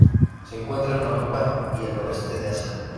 Se encuentra en Europa y el oeste de Asia.